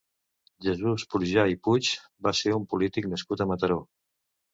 Jesús Prujà i Puig va ser un polític nascut a Mataró.